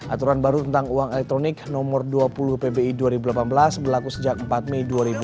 aturan baru tentang uang elektronik nomor dua puluh pbi dua ribu delapan belas berlaku sejak empat mei dua ribu delapan belas